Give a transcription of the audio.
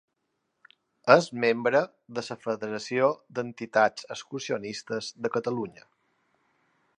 És membre de la Federació d'Entitats Excursionistes de Catalunya.